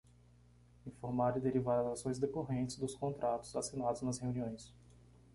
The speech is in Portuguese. Informar e derivar as ações decorrentes dos contratos assinados nas reuniões.